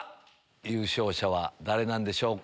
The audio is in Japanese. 優勝者は誰なんでしょうか？